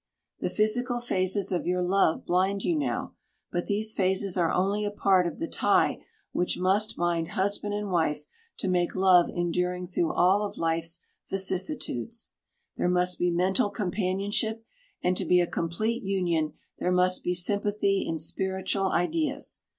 The physical phases of your love blind you now. But these phases are only a part of the tie which must bind husband and wife to make love enduring through all of life's vicissitudes. There must be mental companionship, and to be a complete union there must be sympathy in spiritual ideas.